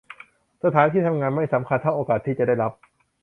สถานที่ทำงานไม่สำคัญเท่าโอกาสที่จะได้รับ